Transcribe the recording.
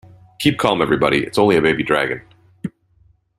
Keep calm everybody, it's only a baby dragon.